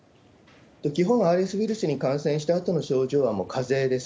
基本、ＲＳウイルスに感染したあとの症状は、もうかぜです。